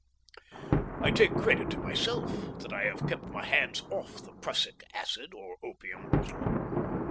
"I take credit to myself that I have kept my hands off the prussic acid or opium bottle.